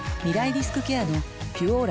リスクケアの「ピュオーラ」